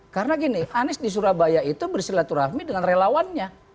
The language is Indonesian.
karena gini anies di surabaya itu bersilaturahmi dengan relawannya